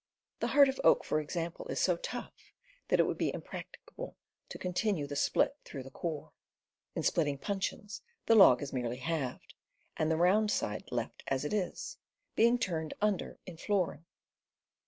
The heart of oak, for example, is so tough that it would be impracticable to continue the split through the core. In splitting puncheons the log is merely halved, and the round side left as it is, being turned under in floor ing.